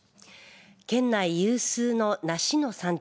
県内有数の梨の産地